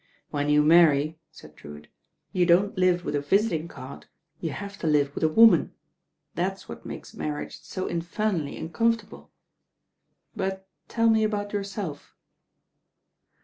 •'When you marry," said Drewitt, "you don't live with a visiting card, you have to live with a woman. That 8 what makes marriage so infernally uncom fortable. But tell me about yourself."